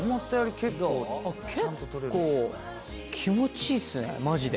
結構気持ちいいっすねマジで。